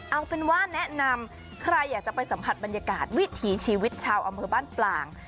เอาเป็นว่าแนะนำใครอยากจะไปสัมผัสบรรยากาศวิถีชีวิตชาวอำเภอบ้านปลาง